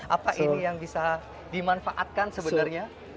apa ini yang bisa dimanfaatkan sebenarnya